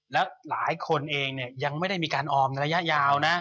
แล้วหลายคนเองยังไม่ได้มีการออมในระยะยาวนะ